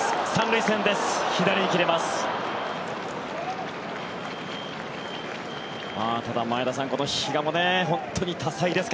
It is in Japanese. ３塁線です。